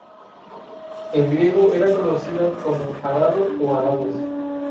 En griego era conocida como Arado o Arados.